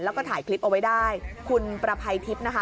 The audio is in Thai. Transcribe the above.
แล้วก็ถ่ายคลิปเอาไว้ได้คุณประภัยทิพย์นะคะ